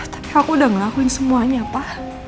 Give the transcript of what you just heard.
tapi aku udah ngelakuin semuanya pak